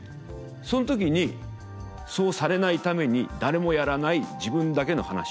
そん時にそうされないために誰もやらない自分だけの噺をこさえて。